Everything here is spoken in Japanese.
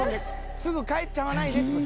すぐ帰っちゃわないでって事。